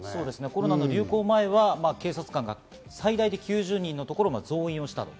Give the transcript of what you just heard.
コロナの流行前は警察官が最大９０人のところ、増員したと。